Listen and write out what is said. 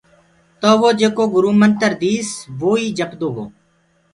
تو وو جيڪو گُرو منتر ديس وو ئي جپدو گو۔